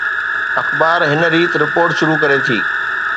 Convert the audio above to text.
اخبار هن ريت رپورٽ شروع ڪري ٿي